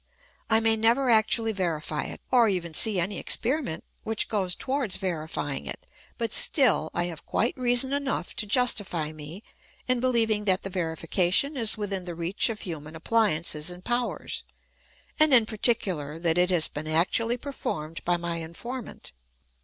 I may never actually verify it, or even see any experiment which goes towards verifying it ; but still I have quite reason enough to justify me in beheving that the verification is within the reach of human appliances and powers, and in particular that it has been actually performed by my informant.